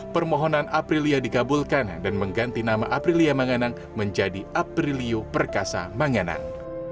permohonan aprilia dikabulkan dan mengganti nama aprilia manganang menjadi aprilio perkasa manganang